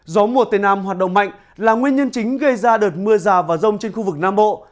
gió mùa tây nam hoạt động mạnh là nguyên nhân chính gây ra đợt mưa rào và rông trên khu vực nam bộ